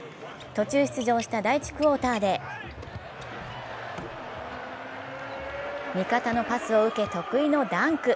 途中出場した第１クオーターで味方のパスを受け、得意のダンク。